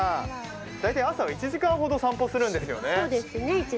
大体朝は１時間ほど散歩するんですよね。